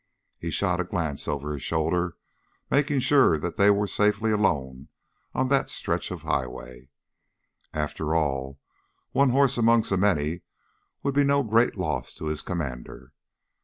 He shot a glance over his shoulder, making sure they were safely alone on that stretch of highway. After all, one horse among so many would be no great loss to his commander.